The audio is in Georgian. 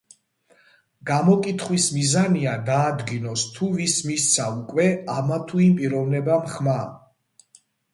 გამოკითხვის მიზანია, დაადგინოს, თუ ვის მისცა უკვე ამა თუ იმ პიროვნებამ ხმა.